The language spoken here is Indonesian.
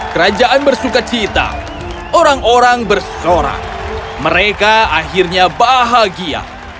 kerajaan bersuka cita orang orang bersorak mereka akhirnya bahagia